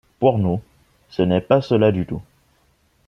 Pour nous, ce n’est pas cela du tout.